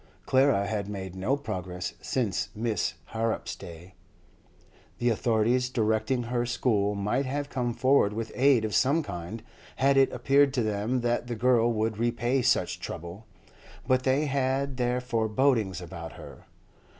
Clara had made no progress since Miss Harrop's day. The authorities directing her school might have come forward with aid of some kind, had it appeared to them that the girl would repay such trouble; but they had their forebodings about her.